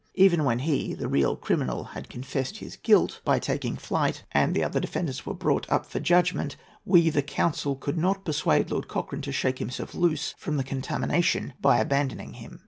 Even when he, the real criminal, had confessed his guilt by taking to flight, and the other defendants were brought up for judgment, we, the counsel, could not persuade Lord Cochrane to shake himself loose from the contamination by abandoning him."